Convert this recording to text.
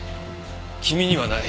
君にはない。